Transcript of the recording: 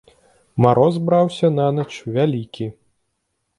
Мароз браўся нанач вялікі.